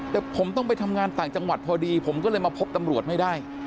แต่ผมต้องไปทำงานต่างจังหวัดพอดีผมก็เลยมาพบตำรวจไม่ได้